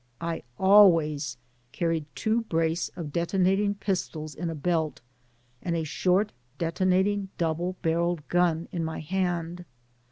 I always carried two brace of detonating pistols in ft belt, and a short detonating double barrelled gun in my hand.